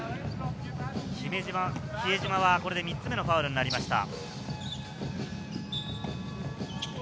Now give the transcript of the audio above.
比江島はこれで３つ目のファウルになりました。